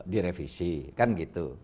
direvisi kan gitu